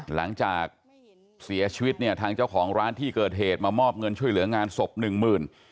หลังจากเสียชีวิตเนี่ยทางเจ้าของร้านที่เกิดเหตุมามอบเงินช่วยเหลืองานศพหนึ่งหมื่น